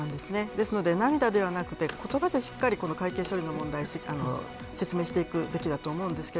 ですので、涙ではなくて言葉でしっかり会計処理の問題を説明していくべきだと思います。